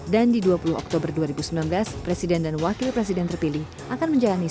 dan di dua puluh oktober dua ribu sembilan belas presiden dan wakil presiden terpilih akan menjalani